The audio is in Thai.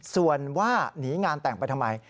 ส่วนว่าหนีงานแต่งไปทำไม